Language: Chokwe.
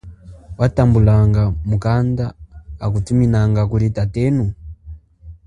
Watambulanga mukanda akuthuminanga kuli tatenu?